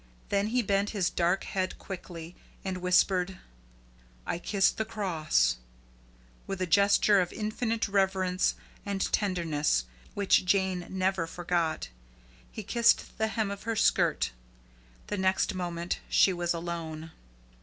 Then he bent his dark head quickly, and whispering: "I kiss the cross," with a gesture of infinite reverence and tenderness, which Jane never forgot, he kissed the hem of her skirt. The next moment she was alone.